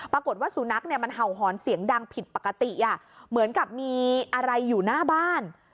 ปรากฏว่าสุนัขเนี่ยมันเห่าหอนเสียงดังผิดปกติเหมือนกับมีอะไรอยู่หน้าบ้าน